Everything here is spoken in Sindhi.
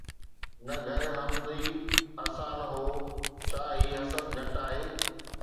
نه گھر حمدمي اسان 'نه هو' ڇا هي حسد گهٽ آهي؟